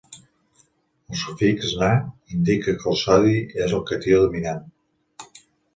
El sufix -Na indica que el sodi és el catió dominant.